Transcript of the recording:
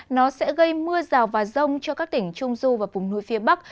nó sẽ gây mưa rào và rông cho các tỉnh trung du và vùng núi phía bắc